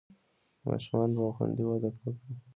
ماشومان به خوندي وده وکړي.